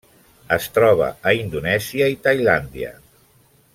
Es troba a Indonèsia i Tailàndia.